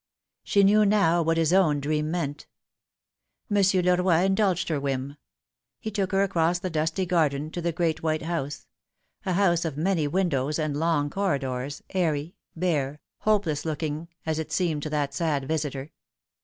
She knew now what his own dream meant. Monsieur Leroy indulged her whim. He took her across the dusty garden to the great white house a house of many win dows and long corridors, airy, bare, hopeless looking, as it seemed to that sad visitor.